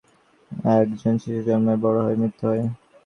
এক জন শিশু জন্মায়, বড় হয়, মৃত্যু হয়।